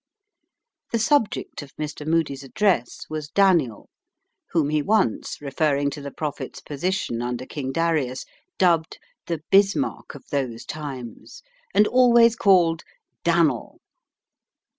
'" The subject of Mr. Moody's address was "Daniel" whom he once, referring to the prophet's position under King Darius, dubbed "the Bismarck of those times," and always called "Dan'l."